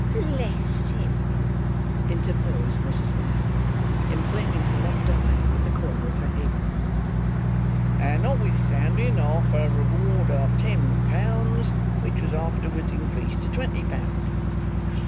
"Bless him!" interposed Mrs. Mann, inflaming her left eye with the corner of her apron. "And notwithstanding a offered reward of ten pound, which was afterwards increased to twenty pound.